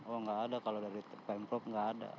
oh tidak ada kalau dari pemprov tidak ada